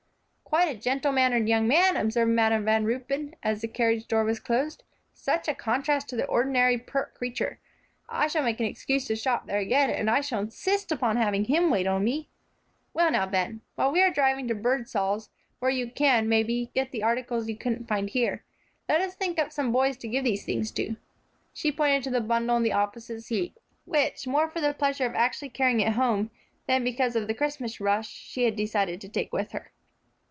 "Quite a gentle mannered young man," observed Madam Van Ruypen, as the carriage door was closed; "such a contrast to the ordinary, pert creature. I shall make an excuse to shop there again, and I shall insist upon having him wait upon me. Well, now, Ben, while we are driving to Birdsall's, where you can, maybe, get the articles you couldn't find here, let us think up some boys to give these things to." She pointed to the big bundle on the opposite seat, which, more for the pleasure of actually carrying it home, than because of the Christmas rush, she had decided to take with her.